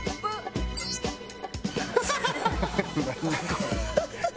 これ。